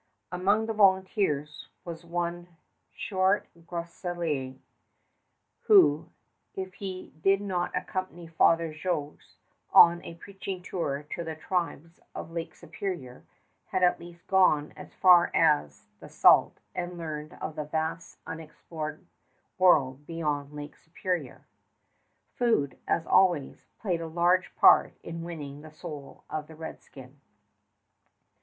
Among the volunteers was one Chouart Groseillers, who, if he did not accompany Father Jogues on a preaching tour to the tribes of Lake Superior, had at least gone as far as the Sault and learned of the vast unexplored world beyond Lake Superior. Food, as always, played a large part in winning the soul of the redskin.